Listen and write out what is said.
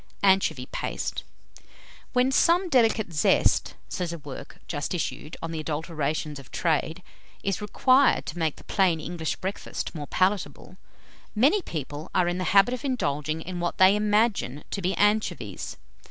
ANCHOVY PASTE. "When some delicate zest," says a work just issued on the adulterations of trade, "is required to make the plain English breakfast more palatable, many people are in the habit of indulging in what they imagine to be anchovies.